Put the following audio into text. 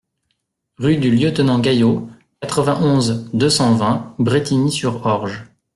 Rue du Lieutenant Gayot, quatre-vingt-onze, deux cent vingt Brétigny-sur-Orge